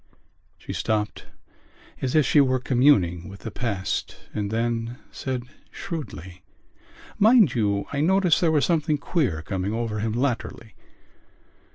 She stopped, as if she were communing with the past and then said shrewdly: "Mind you, I noticed there was something queer coming over him latterly.